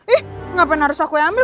ih gapen harus aku yang ambil